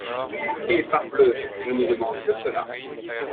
Eh ! parbleu, je ne demande que cela !